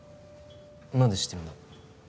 何で知ってるんだ？